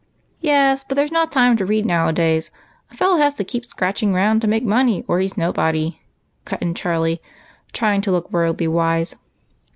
" Yes, but there 's no time to read nowadays ; a fellow has to keep scratching round to make money or he 's nobody," cut in Charlie, trying to look worldly wise.